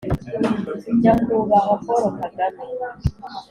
nyakubahwa paul kagame